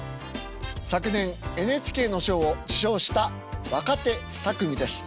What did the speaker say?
昨年ＮＨＫの賞を受賞した若手２組です。